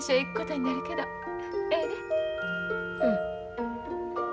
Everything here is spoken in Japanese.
うん。